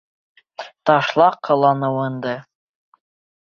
Ташла ҡыланыуыңды.